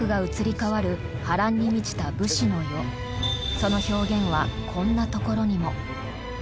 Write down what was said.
その表現はこんなところにも。